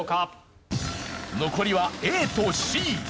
残りはＡとＣ。